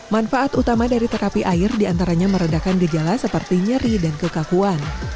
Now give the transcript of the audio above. manfaat utama dari terapi air diantaranya meredakan gejala seperti nyeri dan kekakuan